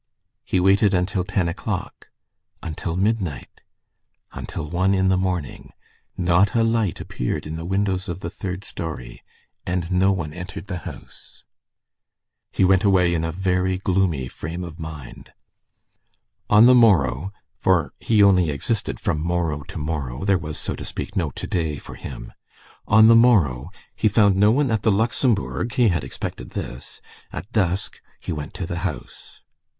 He waited until ten o'clock. Until midnight. Until one in the morning. Not a light appeared in the windows of the third story, and no one entered the house. He went away in a very gloomy frame of mind. On the morrow,—for he only existed from morrow to morrow, there was, so to speak, no to day for him,—on the morrow, he found no one at the Luxembourg; he had expected this. At dusk, he went to the house.